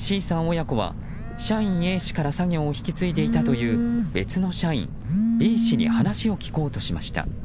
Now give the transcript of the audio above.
親子は社員Ａ氏から作業を引き継いでいたという別の社員Ｂ氏に話を聞こうとしました。